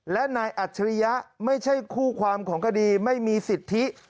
และนายอัจฉริยะไม่ใช่คู่ความของคดีไม่มีสิทธิ